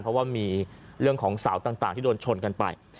เพราะว่ามีเรื่องของสาวต่างที่โดนชนกันไป